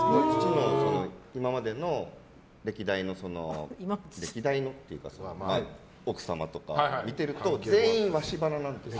今までの歴代の歴代のっていうか奥様とかを見ていると全員、鷲鼻なんですよ。